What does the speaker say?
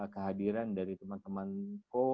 kehadiran dari teman temanku